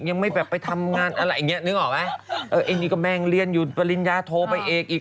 ยังไม่แบบไปทำงานอะไรอย่างเงี้นึกออกไหมเออไอ้นี่ก็แม่งเรียนอยู่ปริญญาโทรไปเอกอีก